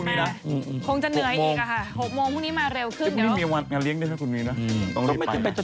ได้อย่างเดียวกิ่งอยากจะพูดเลยพูดสิ